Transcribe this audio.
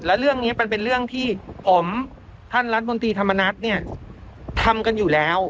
แล้วเรื่องนี้มันเป็นเรื่องที่ผมท่านรัฐมนตรีธรรมนัฐเนี่ยทำกันอยู่แล้ว